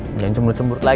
jangan cemburu cembur lagi